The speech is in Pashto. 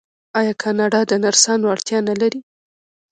آیا کاناډا د نرسانو اړتیا نلري؟